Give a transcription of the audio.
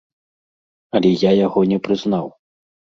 Але я яго не прызнаў.